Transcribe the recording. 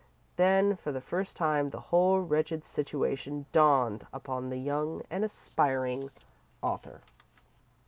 Then, for the first time, the whole wretched situation dawned upon the young and aspiring author.